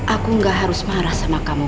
aku gak harus marah sama kamu